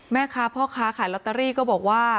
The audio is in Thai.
แม่ค้าพ่อค้าขายลอตเตอรี่ก็บอกว่า